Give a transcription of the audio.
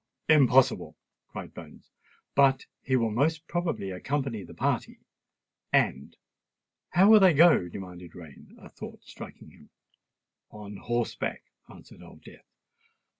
"Impossible!" cried Bones. "He will most probably accompany the party; and——" "How will they go?" demanded Rain, a thought striking him. "On horseback," answered Old Death.